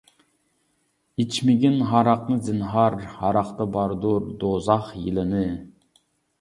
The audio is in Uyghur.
ئىچمىگىن ھاراقنى زىنھار، ھاراقتا باردۇر دوزاخ يىلىنى.